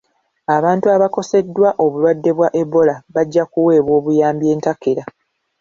Abantu abakoseddwa obulwadde bwa Ebola bajja kuweebwa obuyambi entakera.